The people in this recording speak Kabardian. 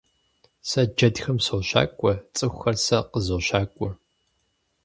Сэ джэдхэм сощакӀуэ, цӀыхухэр сэ къызощакӀуэ.